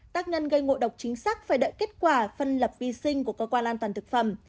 tác nhân gây ngộ độc chính xác phải đợi kết quả phân lập vi sinh của cơ quan an toàn thực phẩm